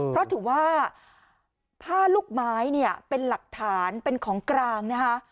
เพราะถือว่าผ้าลูกไม้เนี่ยเป็นหลักฐานเป็นของกลางนะคะ